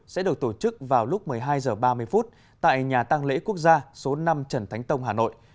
sẽ được tổ chức vào lúc một mươi hai h ba mươi tại nhà tăng lễ quốc gia số năm trần thánh tông hà nội